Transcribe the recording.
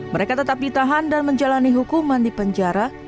mereka tetap ditahan dan menjalani hukuman di penjara